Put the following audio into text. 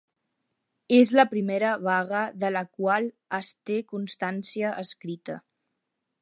És la primera vaga de la qual es té constància escrita.